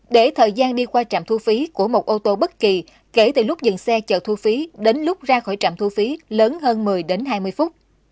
để thời gian đi qua trạm thu phí của một ô tô bất kỳ kể từ lúc dừng xe chở thu phí đến lúc ra khỏi trạm thu phí lớn hơn một mươi đến hai mươi phút